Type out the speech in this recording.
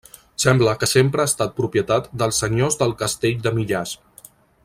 Sembla que sempre ha estat propietat dels senyors del castell de Millàs.